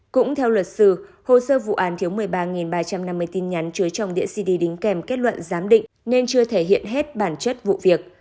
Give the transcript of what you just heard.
cũng theo luật sư hồ sơ vụ án thiếu một mươi ba ba trăm năm mươi tin nhắn chứa trong đĩa cd đính kèm kết luận giám định nên chưa thể hiện hết bản chất vụ việc